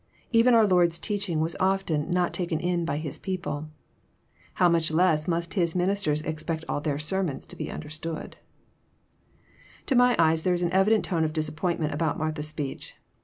Even our Lord's teaching was often not taken in by His people ! How much less must His ministers expect all their sermons to be understood I To my eyes there is an evident tone of disappointment about Martha's speech.